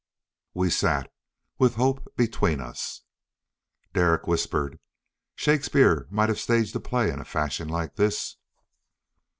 We sat, with Hope between us. Derek whispered, "Shakespeare might have staged a play in a fashion like this."